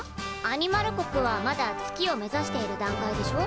アニマル国はまだ月を目指している段階でしょ？